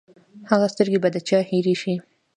هغه سترګې به د چا هېرې شي!